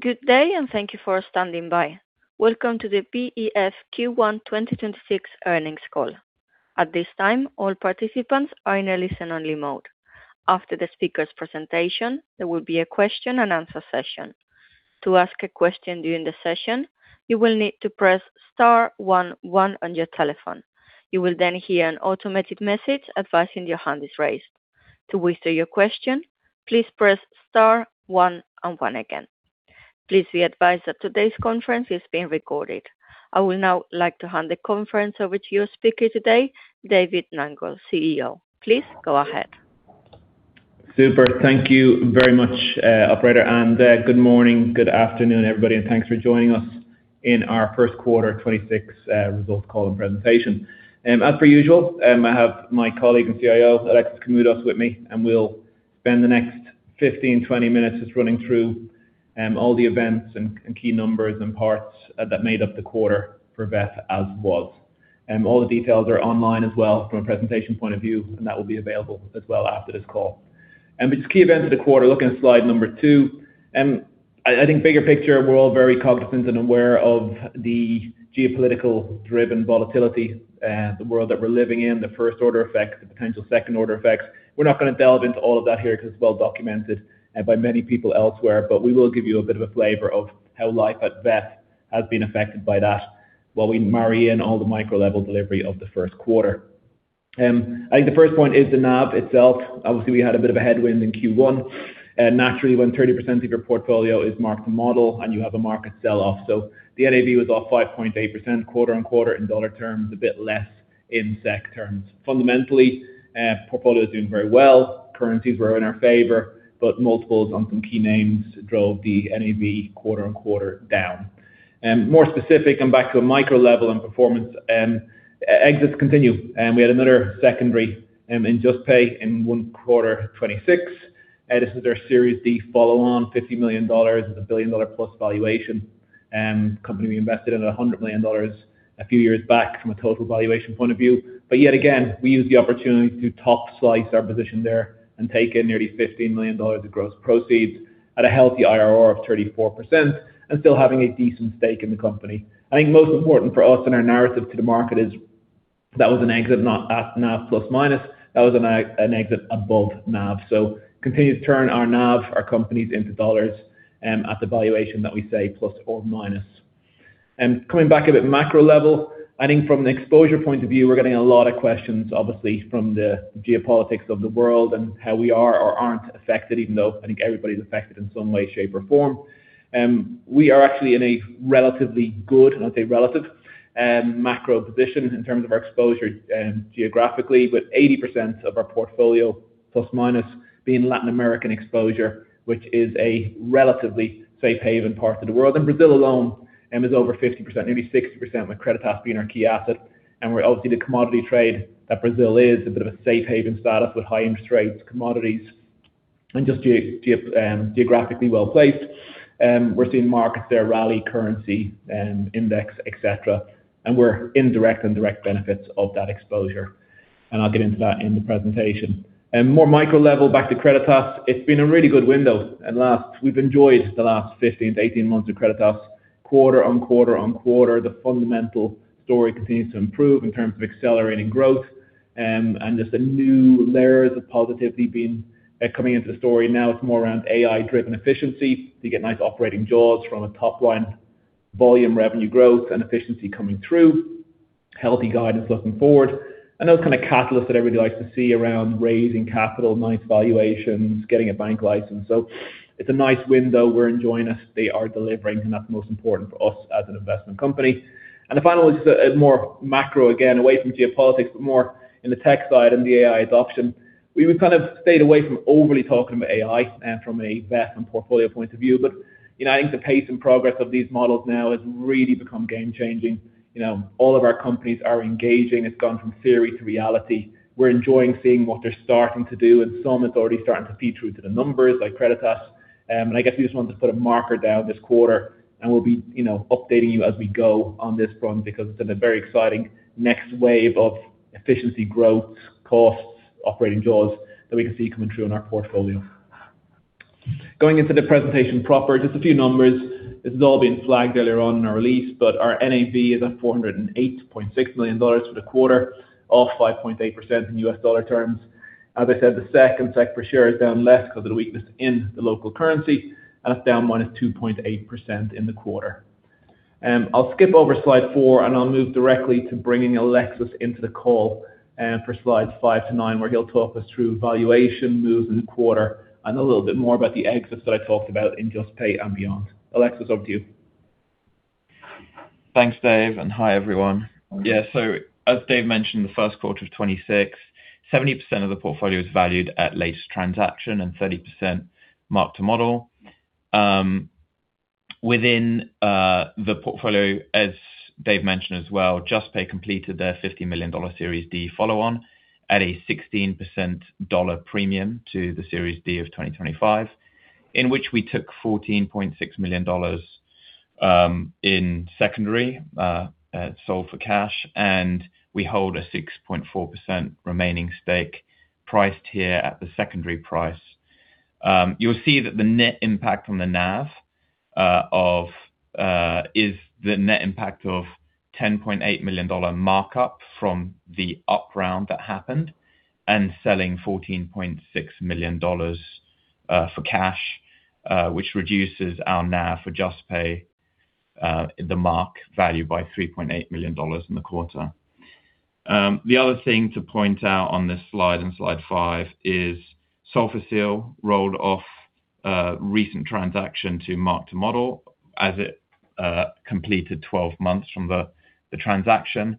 Good day and thank you for standing by. Welcome to the VEF Q1 2026 earnings call. At this time, all participants are in a listen-only mode. After the speaker's presentation, there will be a question-and-answer session. To ask a question during the session, you will need to press star one one on your telephone. You will then hear an automated message advising your hand is raised. To withdraw your question, please press star one and one again. Please be advised that today's conference is being recorded. I would now like to hand the conference over to your speaker today, David Nangle, CEO. Please go ahead. Super. Thank you very much, operator. Good morning, good afternoon, everybody. Thanks for joining us in our first quarter 2026 results call and presentation. As per usual, I have my colleague and CIO, Alexis Koumoudos, with me. We'll spend the next 15-20 minutes just running through all the events and key numbers and parts that made up the quarter for VEF as it was. All the details are online as well from a presentation point of view. That will be available as well after this call. With key events of the quarter, looking at slide number two, I think bigger picture, we're all very cognizant and aware of the geopolitical-driven volatility, the world that we're living in, the first-order effects, the potential second-order effects. We're not going to delve into all of that here because it's well documented by many people elsewhere, but we will give you a bit of a flavor of how life at VEF has been affected by that while we marry in all the micro-level delivery of the first quarter. I think the first point is the NAV itself. Obviously, we had a bit of a headwind in Q1. Naturally, when 30% of your portfolio is mark-to-model and you have a market sell-off, the NAV was off 5.8% quarter-on-quarter in dollar terms, a bit less in SEK terms. Fundamentally, portfolio is doing very well. Currencies were in our favor, but multiples on some key names drove the NAV quarter-on-quarter down. More specific and back to a micro-level and performance, exits continue. We had another secondary in Juspay in Q1 2026. This is their Series D follow-on $50 million. It's a billion-dollar-plus valuation company. We invested in $100 million a few years back from a total valuation point of view. Yet again, we used the opportunity to top-slice our position there and take in nearly $15 million of gross proceeds at a healthy IRR of 34% and still having a decent stake in the company. I think most important for us and our narrative to the market is that was an exit, not at NAV plus-minus, that was an exit above NAV. Continue to turn our NAV, our companies into dollars at the valuation that we say ±. Coming back a bit macro level, I think from an exposure point of view, we're getting a lot of questions, obviously, from the geopolitics of the world and how we are or aren't affected, even though I think everybody's affected in some way, shape, or form. We are actually in a relatively good, and I say relative, macro position in terms of our exposure geographically with 80% of our portfolio plus minus being Latin American exposure, which is a relatively safe haven part of the world. Brazil alone is over 50%, maybe 60% with Creditas being our key asset. We're obviously the commodity trade that Brazil is a bit of a safe haven status with high interest rates, commodities, and just geographically well-placed. We're seeing markets there, rally currency, index, et cetera, and we're indirect and direct benefits of that exposure. I'll get into that in the presentation. More micro-level back to Creditas, it's been a really good window at last. We've enjoyed the last 15-18 months of Creditas quarter-on-quarter-on-quarter. The fundamental story continues to improve in terms of accelerating growth and just the new layers of positivity coming into the story. Now it's more around AI-driven efficiency. You get nice operating jaws from a top-line volume revenue growth and efficiency coming through, healthy guidance looking forward. Those kind of catalysts that everybody likes to see around raising capital, nice valuations, getting a bank license. It's a nice window. We're enjoying this. They are delivering, and that's most important for us as an investment company. The final is just more macro, again, away from geopolitics, but more in the tech side and the AI adoption. We've kind of stayed away from overly talking about AI and from a VEF and portfolio point of view. I think the pace and progress of these models now has really become game-changing. All of our companies are engaging. It's gone from theory to reality. We're enjoying seeing what they're starting to do, and some it's already starting to feed through to the numbers like Creditas. I guess we just wanted to put a marker down this quarter, and we'll be updating you as we go on this front because it's been a very exciting next wave of efficiency, growth, costs, operating jaws that we can see coming through in our portfolio. Going into the presentation proper, just a few numbers. This has all been flagged earlier on in our release, but our NAV is at $408.6 million for the quarter, off 5.8% in U.S. dollar terms. As I said, the SEK and SEK per share is down less because of the weakness in the local currency, and it's down -2.8% in the quarter. I'll skip over slide 4 and I'll move directly to bringing Alexis into the call for slides 5-9, where he'll talk us through valuation moves in the quarter and a little bit more about the exits that I talked about in Juspay and beyond. Alexis, over to you. Thanks, Dave, and hi, everyone. Yeah. As Dave mentioned, the first quarter of 2026, 70% of the portfolio is valued at latest transaction and 30% mark-to-model. Within the portfolio, as Dave mentioned as well, Juspay completed their $50 million Series D follow-on at a 16% dollar premium to the Series D of 2025, in which we took $14.6 million. In secondary, sold for cash, and we hold a 6.4% remaining stake priced here at the secondary price. You'll see that the net impact on the NAV is the net impact of $10.8 million markup from the up round that happened and selling $14.6 million for cash, which reduces our NAV for Juspay, the mark value by $3.8 million in the quarter. The other thing to point out on this slide, in slide five, is Solfácil rolled off a recent transaction to mark-to-model as it completed 12 months from the transaction.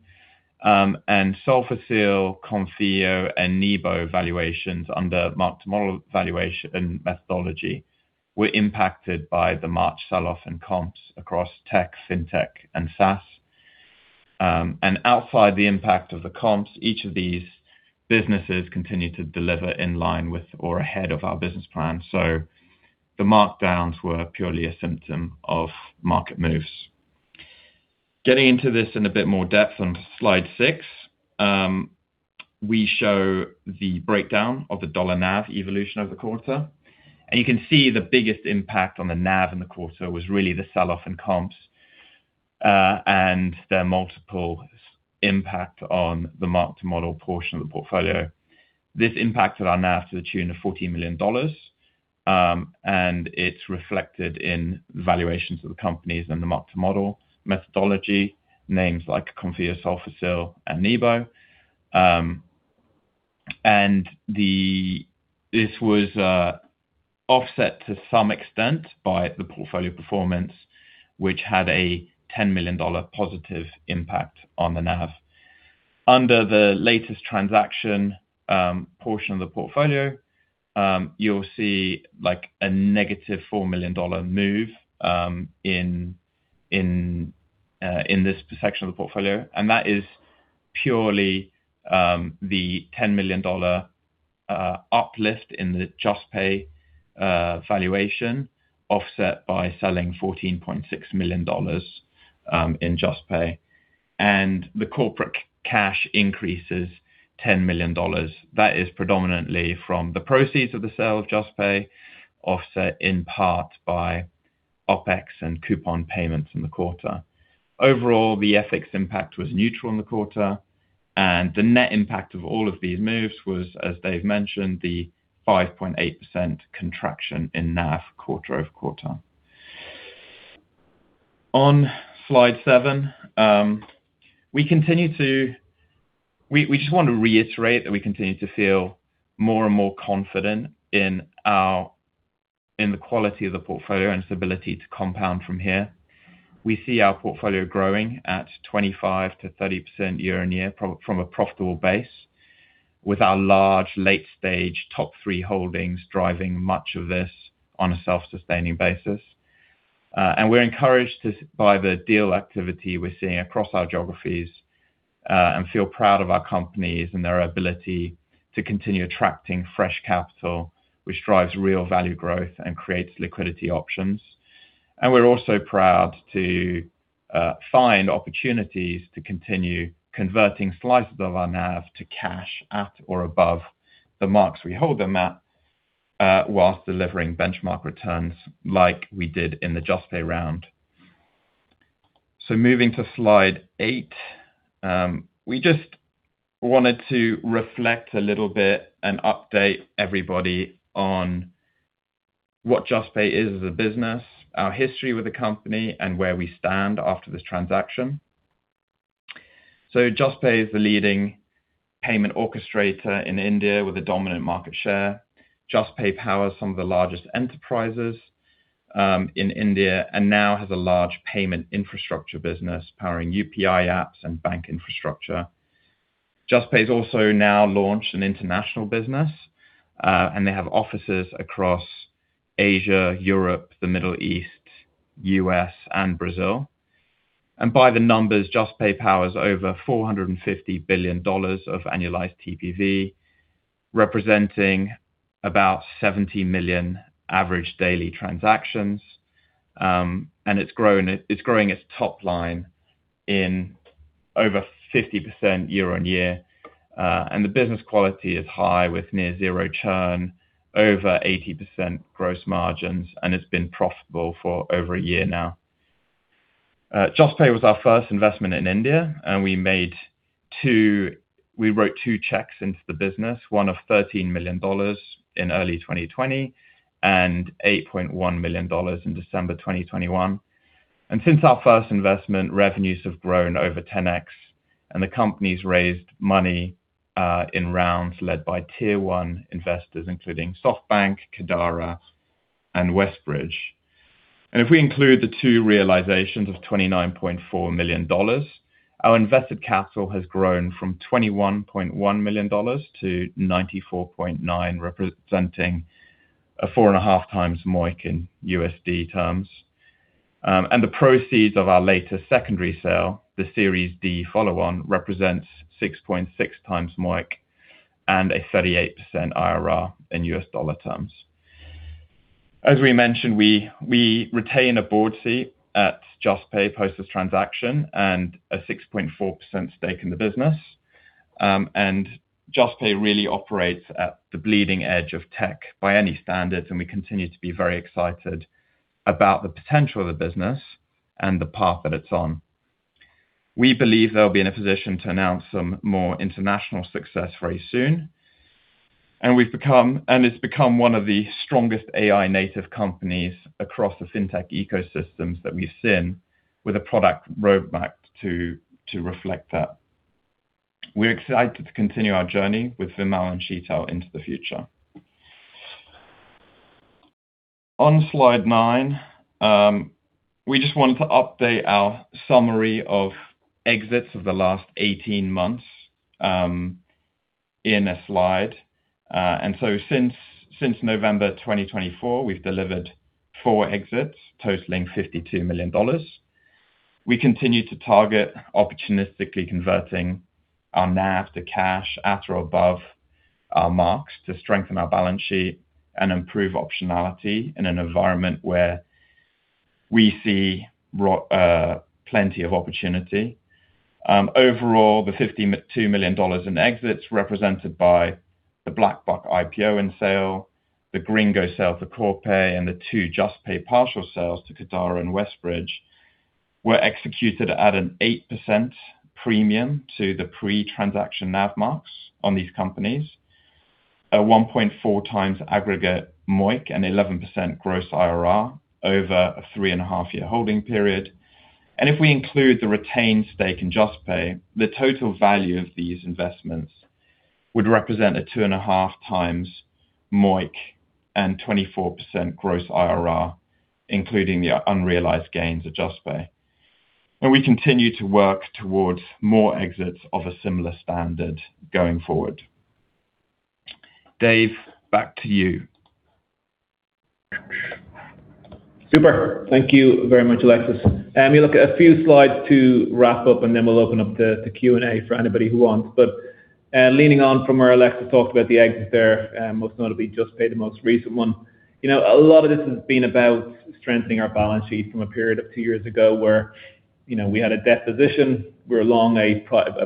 Solfácil, Konfío, and Nibo valuations under mark-to-model valuation methodology were impacted by the March sell-off and comps across tech, fintech, and SaaS. Outside the impact of the comps, each of these businesses continue to deliver in line with or ahead of our business plan. The markdowns were purely a symptom of market moves. Getting into this in a bit more depth on slide six, we show the breakdown of the dollar NAV evolution over the quarter. You can see the biggest impact on the NAV in the quarter was really the sell-off in comps, and their multiple impact on the mark-to-model portion of the portfolio. This impacted our NAV to the tune of $40 million, and it's reflected in valuations of the companies in the mark-to-model methodology, names like Konfío, Solfácil and Nibo. This was offset to some extent by the portfolio performance, which had a $10 million positive impact on the NAV. Under the latest transaction portion of the portfolio, you'll see a -$4 million move in this section of the portfolio, and that is purely the $10 million uplift in the Juspay valuation, offset by selling $14.6 million in Juspay, and the corporate cash increases $10 million. That is predominantly from the proceeds of the sale of Juspay, offset in part by OpEx and coupon payments in the quarter. Overall, the FX impact was neutral in the quarter, and the net impact of all of these moves was, as Dave mentioned, the 5.8% contraction in NAV quarter-over-quarter. On slide seven, we just want to reiterate that we continue to feel more and more confident in the quality of the portfolio and its ability to compound from here. We see our portfolio growing at 25%-30% year-on-year from a profitable base with our large late-stage top three holdings driving much of this on a self-sustaining basis. We're encouraged by the deal activity we're seeing across our geographies, and feel proud of our companies and their ability to continue attracting fresh capital, which drives real value growth and creates liquidity options. We're also proud to find opportunities to continue converting slices of our NAV to cash at or above the marks we hold them at, whilst delivering benchmark returns like we did in the Juspay round. Moving to slide eight. We just wanted to reflect a little bit and update everybody on what Juspay is as a business, our history with the company, and where we stand after this transaction. Juspay is the leading payment orchestrator in India with a dominant market share. Juspay powers some of the largest enterprises in India and now has a large payment infrastructure business powering UPI apps and bank infrastructure. Juspay has also now launched an international business, and they have offices across Asia, Europe, the Middle East, U.S. and Brazil. By the numbers, Juspay powers over $450 billion of annualized TPV, representing about 70 million average daily transactions. It's growing its top line in over 50% year-on-year. The business quality is high with near-zero churn, over 80% gross margins, and it's been profitable for over one year now. Juspay was our first investment in India, and we wrote two checks into the business, one of $13 million in early 2020 and $8.1 million in December 2021. Since our first investment, revenues have grown over 10x and the company's raised money, in rounds led by tier-one investors including SoftBank, Qadara and WestBridge. If we include the two realizations of $29.4 million, our invested capital has grown from $21.1 million to $94.9 million, representing a 4.5x MOIC in USD terms. The proceeds of our latest secondary sale, the Series D follow-on, represents 6.6x MOIC and a 38% IRR in U.S. dollar terms. As we mentioned, we retain a board seat at Juspay post this transaction and a 6.4% stake in the business. Juspay really operates at the bleeding edge of tech by any standards, and we continue to be very excited about the potential of the business and the path that it's on. We believe they'll be in a position to announce some more international success very soon, and it's become one of the strongest AI native companies across the fintech ecosystems that we've seen with a product roadmap to reflect that. We're excited to continue our journey with Vimal and Sheetal into the future. On slide nine, we just wanted to update our summary of exits of the last 18 months in a slide. Since November 2024, we've delivered four exits totaling $52 million. We continue to target opportunistically converting our NAV to cash at or above our marks to strengthen our balance sheet and improve optionality in an environment where we see plenty of opportunity. Overall, the $52 million in exits represented by the BlackBuck IPO and sale, the Gringo sale to Corpay, and the two Juspay partial sales to Qadara and WestBridge, were executed at an 8% premium to the pre-transaction NAV marks on these companies at 1.4x aggregate MOIC and 11% gross IRR over a three-and-a-half-year holding period. If we include the retained stake in Juspay, the total value of these investments would represent a two and a half times MOIC and 24% gross IRR, including the unrealized gains of Juspay. We continue to work towards more exits of a similar standard going forward. Dave, back to you. Super. Thank you very much, Alexis. We look at a few slides to wrap up, and then we'll open up the Q&A for anybody who wants. Leaning on from where Alexis talked about the exits there, most notably Juspay, the most recent one, a lot of this has been about strengthening our balance sheet from a period of two years ago where we had a debt position. We're long a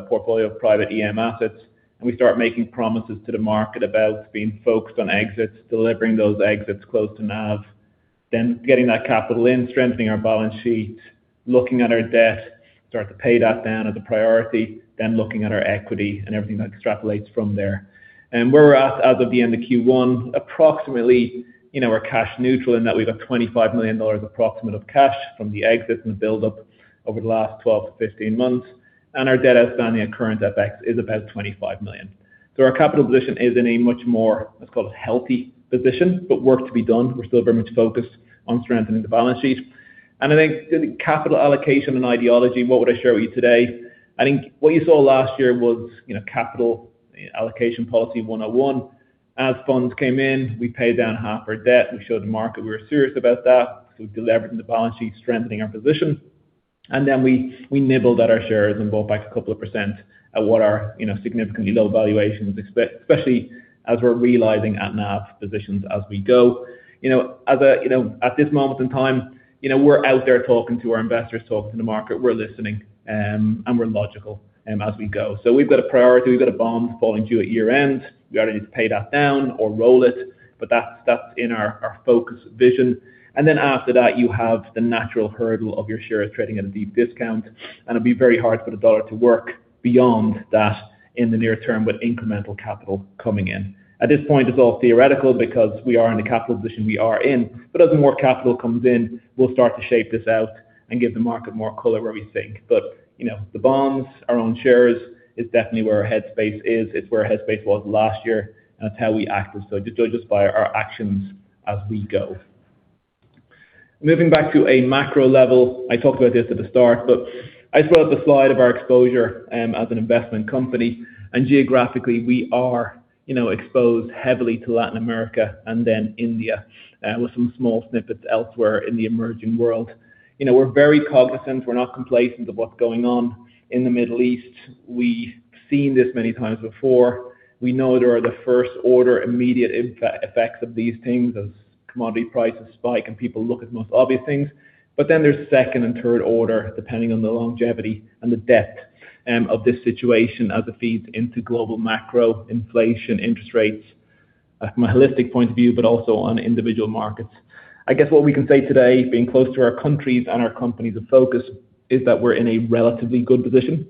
portfolio of private EM assets, and we start making promises to the market about being focused on exits, delivering those exits close to NAV, then getting that capital in, strengthening our balance sheet, looking at our debt, start to pay that down as a priority, then looking at our equity and everything that extrapolates from there. Where we're at as of the end of Q1, approximately, we're cash neutral in that we've got $25 million approximate of cash from the exits and buildup over the last 12-15 months. Our debt outstanding at current FX is about $25 million. Our capital position is in a much more, let's call it healthy position, but work to be done. We're still very much focused on strengthening the balance sheet. I think the capital allocation and ideology, what would I share with you today? I think what you saw last year was capital allocation policy 101. As funds came in, we paid down half our debt. We showed the market we were serious about that. Deleveraging the balance sheet, strengthening our position, and then we nibbled at our shares and bought back a couple of % at what are significantly low valuations, especially as we're realizing at NAV positions as we go. At this moment in time, we're out there talking to our investors, talking to the market. We're listening, and we're logical as we go. We've got a priority. We've got a bond falling due at year-end. We either need to pay that down or roll it, but that's in our focus vision. After that, you have the natural hurdle of your shares trading at a deep discount, and it'd be very hard for the dollar to work beyond that in the near term with incremental capital coming in. At this point, it's all theoretical because we are in the capital position we are in, but as more capital comes in, we'll start to shape this out and give the market more color where we think. But the bonds, our own shares, is definitely where our headspace is. It's where our headspace was last year, and it's how we act. So just judge us by our actions as we go. Moving back to a macro level. I talked about this at the start, but I just brought up the slide of our exposure, as an investment company, and geographically we are exposed heavily to Latin America and then India, with some small snippets elsewhere in the emerging world. We're very cognizant. We're not complacent of what's going on in the Middle East. We've seen this many times before. We know there are the first-order immediate effects of these things as commodity prices spike and people look at the most obvious things. There's second and third order, depending on the longevity and the depth of this situation as it feeds into global macro inflation, interest rates from a holistic point of view, but also on individual markets. I guess what we can say today, being close to our countries and our companies of focus, is that we're in a relatively good position,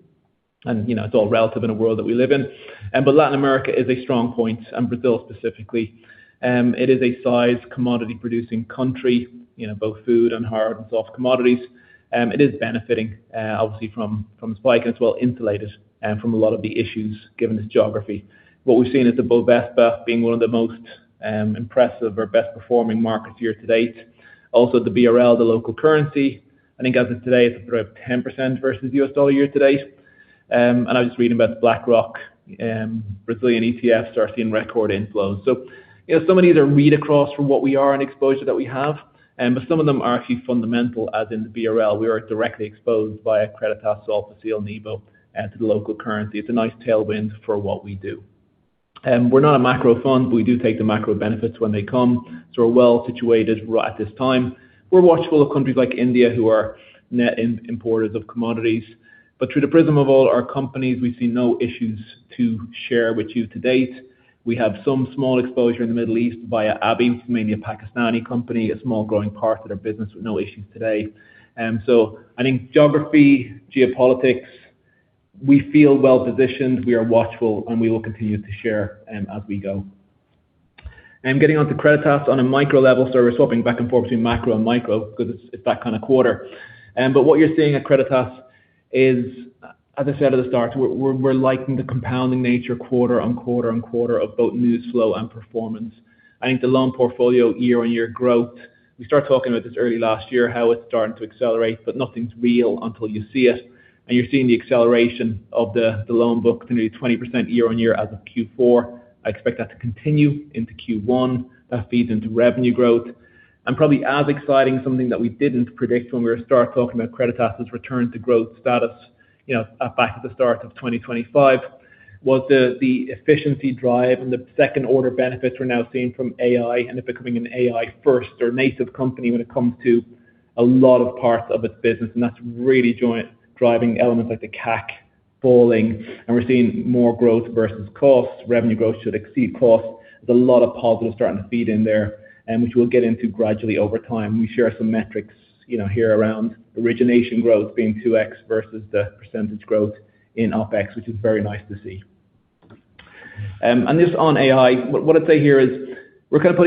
and it's all relative in a world that we live in. Latin America is a strong point, and Brazil specifically. It is a sizable commodity-producing country, both food and hard and soft commodities. It is benefiting obviously from spike and it's well-insulated from a lot of the issues given its geography. What we've seen is the Bovespa being one of the most impressive or best performing markets year-to-date. Also, the BRL, the local currency, I think as of today it's up about 10% versus U.S. dollar year-to-date. I was just reading about BlackRock, Brazilian ETFs are seeing record inflows. Some of these are read-across from what we are and exposure that we have, but some of them are actually fundamental, as in the BRL. We are directly exposed via Creditas, Solfácil, Nibo, to the local currency. It's a nice tailwind for what we do. We're not a macro fund, but we do take the macro benefits when they come, so we're well situated right at this time. We're watchful of countries like India who are net importers of commodities. Through the prism of all our companies, we see no issues to share with you to date. We have some small exposure in the Middle East via Abhi, mainly a Pakistani company, a small growing part of their business with no issues to date. I think geography, geopolitics, we feel well positioned, we are watchful, and we will continue to share as we go. Getting on to Creditas on a micro level, we're swapping back and forth between macro and micro because it's that kind of quarter. What you're seeing at Creditas is, as I said at the start, we're liking the compounding nature quarter-on-quarter-on-quarter of both news flow and performance. I think the loan portfolio year-on-year growth, we started talking about this early last year, how it's starting to accelerate, but nothing's real until you see it. You're seeing the acceleration of the loan book to nearly 20% year-on-year as of Q4. I expect that to continue into Q1. That feeds into revenue growth. Probably as exciting, something that we didn't predict when we started talking about Creditas return to growth status back at the start of 2025, was the efficiency drive and the second-order benefits we're now seeing from AI and it becoming an AI-first or native company when it comes to a lot of parts of its business. That's really driving elements like the CAC falling, and we're seeing more growth versus costs. Revenue growth should exceed costs. There's a lot of positives starting to feed in there, and which we'll get into gradually over time. We share some metrics here around origination growth being 2x versus the percentage growth in OpEx, which is very nice to see. This on AI, what I'd say here is we're kind of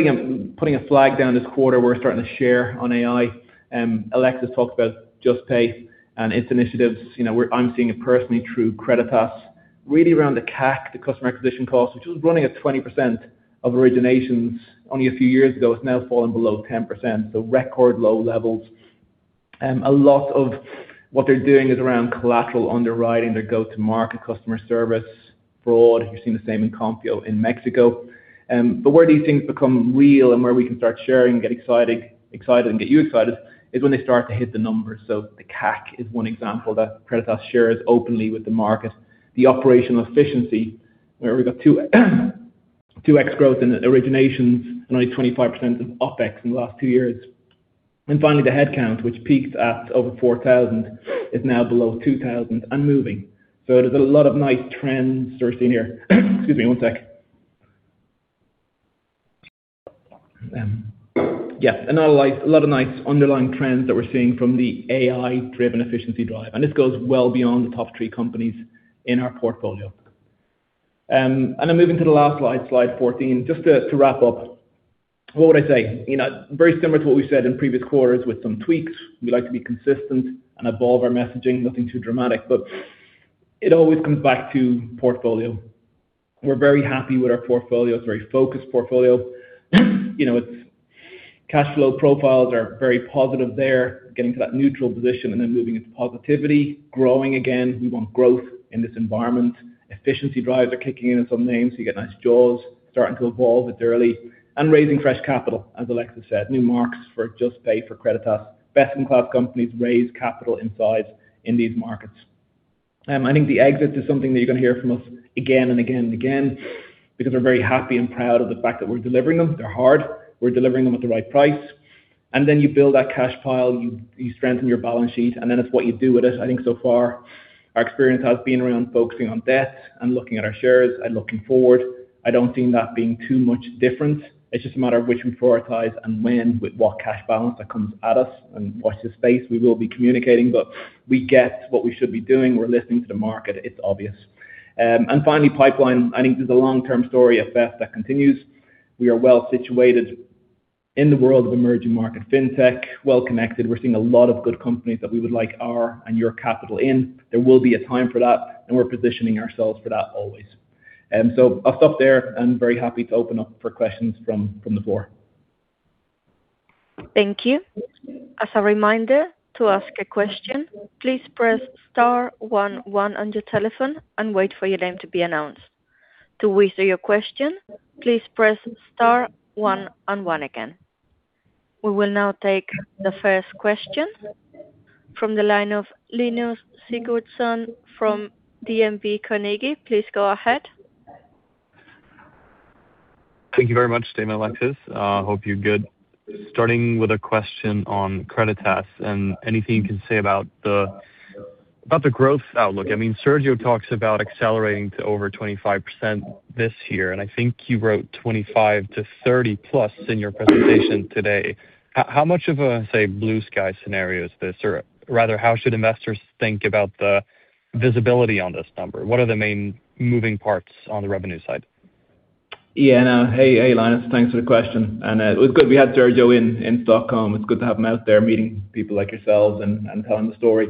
putting a flag down this quarter. We're starting to share on AI. Alexis talked about Juspay and its initiatives. I'm seeing it personally through Creditas, really around the CAC, the customer acquisition cost, which was running at 20% of originations only a few years ago. It's now fallen below 10%, so record low levels. A lot of what they're doing is around collateral underwriting, their go-to-market, customer service, fraud. You're seeing the same in Konfío in Mexico. Where these things become real and where we can start sharing, get excited, and get you excited is when they start to hit the numbers. The CAC is one example that Creditas shares openly with the market. The operational efficiency, where we've got 2x growth in originations and only 25% of OpEx in the last two years. Finally, the headcount, which peaked at over 4,000, is now below 2,000 and moving. There's a lot of nice trends we're seeing here. Excuse me one sec. Yeah, a lot of nice underlying trends that we're seeing from the AI-driven efficiency drive, and this goes well beyond the top three companies in our portfolio. Moving to the last slide 14, just to wrap up, what would I say? Very similar to what we said in previous quarters with some tweaks. We like to be consistent and evolve our messaging. Nothing too dramatic, but it always comes back to portfolio. We're very happy with our portfolio. It's a very focused portfolio. Its cash flow profiles are very positive there, getting to that neutral position and then moving into positivity, growing again. We want growth in this environment. Efficiency drivers are kicking in some names. You get nice jaws starting to evolve, but they're early and raising fresh capital. As Alexis said, new marks for Juspay, for Creditas. Best-in-class companies raise capital in size in these markets. I think the exit is something that you're going to hear from us again and again and again because we're very happy and proud of the fact that we're delivering them. They're hard. We're delivering them at the right price. You build that cash pile, you strengthen your balance sheet, and then it's what you do with it. I think so far our experience has been around focusing on debt and looking at our shares and looking forward. I don't see that being too much different. It's just a matter of which we prioritize and when, with what cash balance that comes at us and watch this space. We will be communicating, but we get what we should be doing. We're listening to the market. It's obvious. Finally, pipeline, I think there's a long-term story at VEF that continues. We are well situated in the world of emerging market fintech, well connected. We're seeing a lot of good companies that we would like our and your capital in. There will be a time for that, and we're positioning ourselves for that always. I'll stop there and very happy to open up for questions from the floor. Thank you. As a reminder, to ask a question, please press star one one on your telephone and wait for your name to be announced. To withdraw your question, please press star one and one again. We will now take the first question from the line of Linus Sigurdson from DNB Carnegie. Please go ahead. Thank you very much, Dave, Alexis. Hope you're good. Starting with a question on Creditas and anything you can say about the growth outlook. I mean, Sergio talks about accelerating to over 25% this year, and I think you wrote 25%-30%+ in your presentation today. How much of a, say, blue sky scenario is this? Rather, how should investors think about the visibility on this number? What are the main moving parts on the revenue side? Yeah, no. Hey, Linus, thanks for the question, and it was good. We had Sergio in Stockholm. It's good to have him out there meeting people like yourselves and telling the story.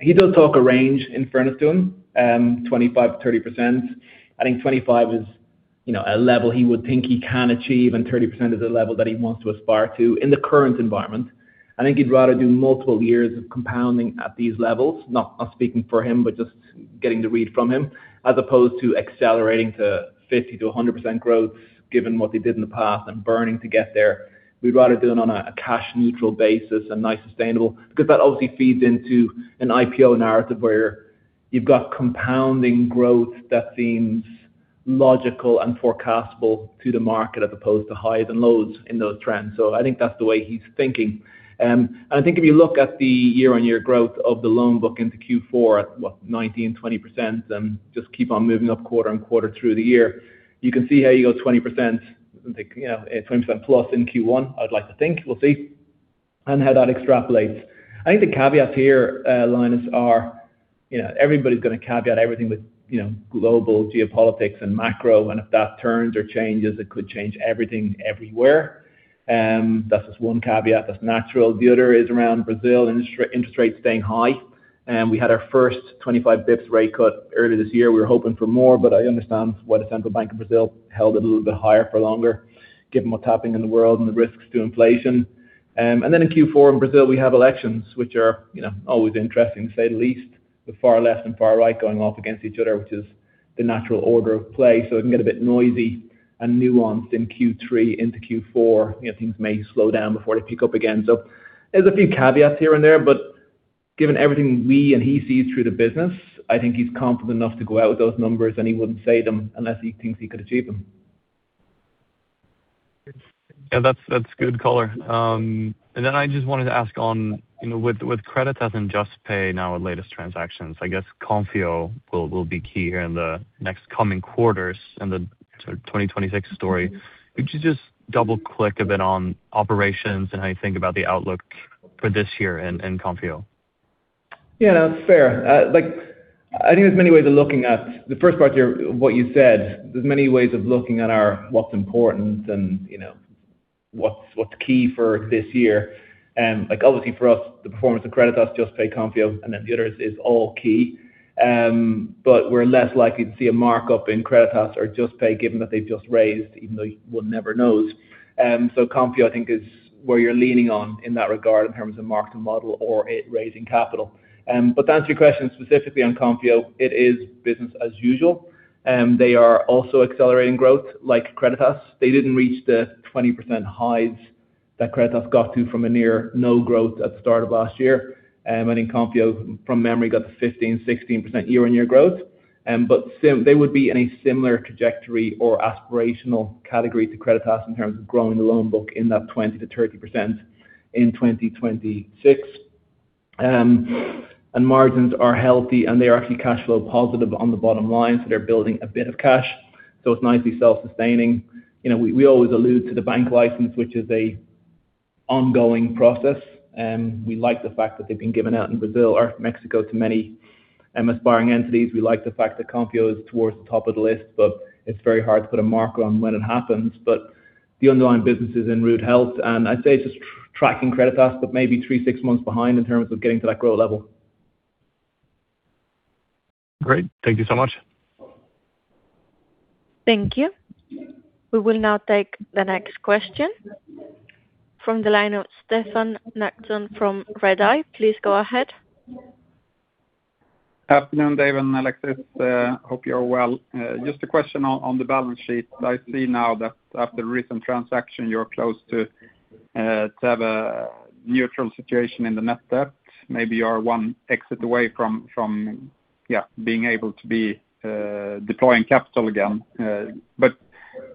He does talk a range in fairness to him, 25%-30%. I think 25% is a level he would think he can achieve, and 30% is a level that he wants to aspire to in the current environment. I think he'd rather do multiple years of compounding at these levels, not speaking for him, but just getting the read from him, as opposed to accelerating to 50%-100% growth given what they did in the past and burning to get there. We'd rather do it on a cash-neutral basis and nice sustainable, because that obviously feeds into an IPO narrative where you've got compounding growth that seems logical and forecastable to the market as opposed to highs and lows in those trends. I think that's the way he's thinking. I think if you look at the year-on-year growth of the loan book into Q4 at, what, 19%-20%, and just keep on moving up quarter-on-quarter through the year, you can see how you go 20%+ in Q1, I'd like to think. We'll see on how that extrapolates. I think the caveats here, Linus, are everybody's going to caveat everything with global geopolitics and macro, and if that turns or changes, it could change everything everywhere. That's just one caveat that's natural. The other is around Brazil interest rates staying high. We had our first 25 basis points rate cut earlier this year. We were hoping for more, but I understand why the Central Bank of Brazil held it a little bit higher for longer, given what's happening in the world and the risks to inflation. In Q4 in Brazil, we have elections, which are always interesting, to say the least, with far left and far right going off against each other, which is the natural order of play. It can get a bit noisy and nuanced in Q3 into Q4. Things may slow down before they pick up again. There's a few caveats here and there, but given everything we and he sees through the business, I think he's confident enough to go out with those numbers, and he wouldn't say them unless he thinks he could achieve them. Yeah, that's good color. I just wanted to ask on, with Creditas and Juspay now our latest transactions, I guess Konfío will be key here in the next coming quarters in the sort of 2026 story. Could you just double click a bit on operations and how you think about the outlook for this year in Konfío? Yeah, no, it's fair. I think there's many ways of looking at the first part here, what you said. There's many ways of looking at what's important and what's key for this year. Obviously, for us, the performance of Creditas, Juspay, Konfío, and then the others is all key. We're less likely to see a markup in Creditas or Juspay, given that they've just raised, even though one never knows. Konfío, I think, is where you're leaning on in that regard in terms of mark-to-model or it raising capital. To answer your question specifically on Konfío, it is business as usual. They are also accelerating growth like Creditas. They didn't reach the 20% highs that Creditas got to from a near no growth at the start of last year. I think Konfío, from memory, got to 15%-16% year-on-year growth. They would be in a similar trajectory or aspirational category to Creditas in terms of growing the loan book in that 20%-30% in 2026. Margins are healthy, and they are actually cash flow positive on the bottom line, so they're building a bit of cash. It's nicely self-sustaining. We always allude to the bank license, which is an ongoing process. We like the fact that they've been given out in Mexico to many aspiring entities. We like the fact that Konfío is towards the top of the list, but it's very hard to put a mark on when it happens. The underlying business is in rude health, and I'd say it's just tracking Creditas, but maybe three, six months behind in terms of getting to that growth level. Great. Thank you so much. Thank you. We will now take the next question from the line of Stefan Knutsson from Redeye. Please go ahead. Afternoon, Dave and Alexis. Hope you're well. Just a question on the balance sheet. I see now that after the recent transaction, you're close to have a neutral situation in the net debt. Maybe you are one exit away from being able to be deploying capital again.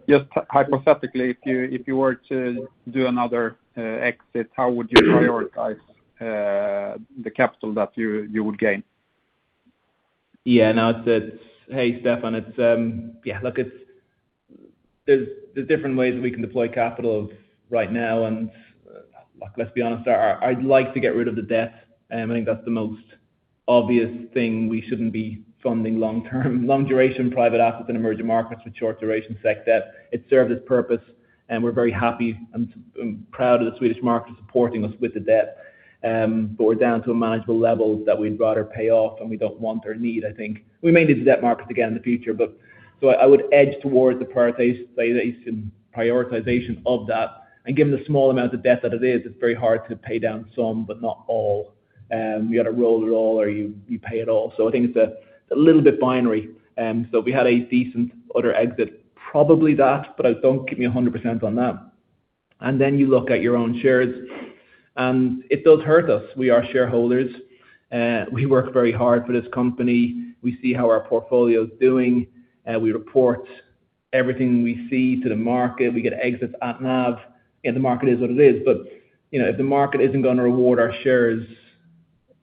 Just hypothetically, if you were to do another exit, how would you prioritize the capital that you would gain? Yeah. No, hey, Stefan. There's different ways we can deploy capital right now, and let's be honest, I'd like to get rid of the debt. I think that's the most obvious thing. We shouldn't be funding long-term, long-duration private assets in emerging markets with short-duration SEK debt. It served its purpose, and we're very happy and proud of the Swedish market supporting us with the debt. We're down to a manageable level that we'd rather pay off, and we don't want or need, I think. We may need the debt market again in the future. I would edge towards the prioritization of that, and given the small amount of debt that it is, it's very hard to pay down some, but not all. You got to roll it all or you pay it all. I think it's a little bit binary. If we had a decent other exit, probably that, but don't keep me 100% on that. You look at your own shares. It does hurt us. We are shareholders. We work very hard for this company. We see how our portfolio is doing. We report everything we see to the market. We get exits at NAV. The market is what it is. If the market isn't going to reward our shares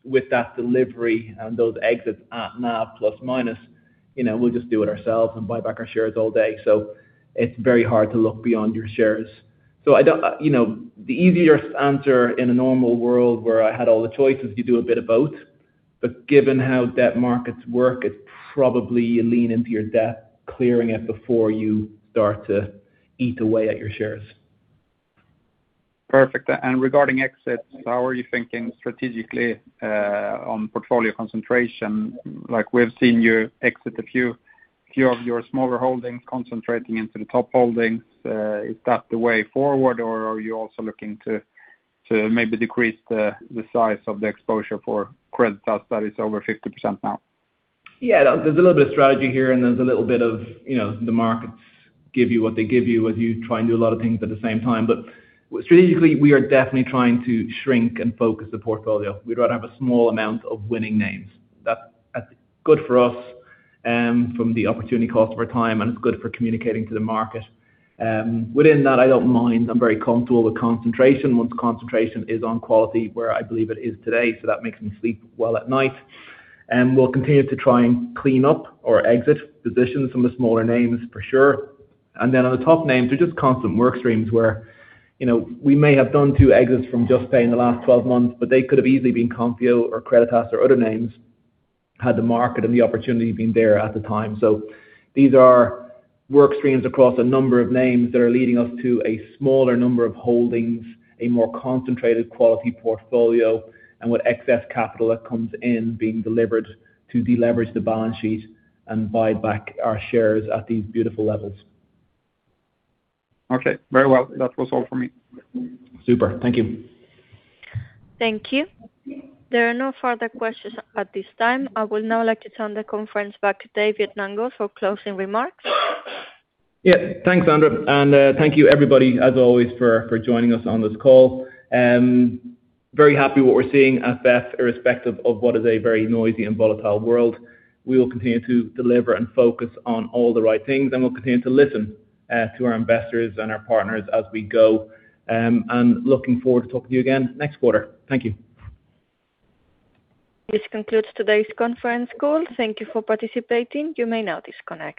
with that delivery and those exits at NAV plus minus, we'll just do it ourselves and buy back our shares all day. It's very hard to look beyond your shares. The easier answer in a normal world where I had all the choices, you do a bit of both. Given how debt markets work, it's probably you lean into your debt, clearing it before you start to eat away at your shares. Perfect. Regarding exits, how are you thinking strategically on portfolio concentration? We've seen you exit a few of your smaller holdings, concentrating into the top holdings. Is that the way forward or are you also looking to maybe decrease the size of the exposure for Creditas that is over 50% now? Yeah. There's a little bit of strategy here and there's a little bit of the markets give you what they give you as you try and do a lot of things at the same time. Strategically, we are definitely trying to shrink and focus the portfolio. We'd rather have a small amount of winning names. That's good for us from the opportunity cost of our time, and it's good for communicating to the market. Within that, I don't mind. I'm very comfortable with concentration, once concentration is on quality, where I believe it is today, so that makes me sleep well at night. We'll continue to try and clean up or exit positions from the smaller names for sure. On the top names, they're just constant work streams where we may have done two exits from Juspay in the last 12 months, but they could have easily been Konfío or Creditas or other names had the market and the opportunity been there at the time. These are work streams across a number of names that are leading us to a smaller number of holdings, a more concentrated quality portfolio, and with excess capital that comes in being delivered to deleverage the balance sheet and buy back our shares at these beautiful levels. Okay. Very well. That was all for me. Super. Thank you. Thank you. There are no further questions at this time. I would now like to turn the conference back to David Nangle for closing remarks. Yeah. Thanks, Andrea. Thank you everybody, as always, for joining us on this call. Very happy what we're seeing at VEF, irrespective of what is a very noisy and volatile world. We will continue to deliver and focus on all the right things, and we'll continue to listen to our investors and our partners as we go. I'm looking forward to talking to you again next quarter. Thank you. This concludes today's conference call. Thank you for participating. You may now disconnect.